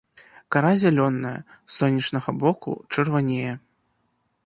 Кара зялёная, с сонечнага боку чырванее.